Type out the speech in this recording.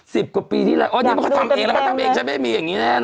สิบกว่าปีที่แล้วอ๋อนี่มันเค้าทำเองแล้วมันทำเองใช่ไหมไม่มีอย่างงี้แน่นอน